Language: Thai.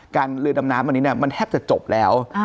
เรือดำน้ำอันนี้มันแทบจะจบแล้ว